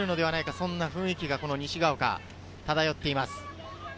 そんな雰囲気が西が丘に漂っています。